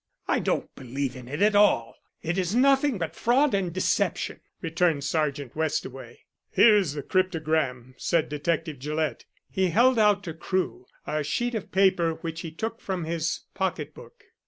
"I don't believe in it at all; it is nothing but fraud and deception," returned Sergeant Westaway. "Here is the cryptogram," said Detective Gillett. He held out to Crewe a sheet of paper which he took from his pocket book.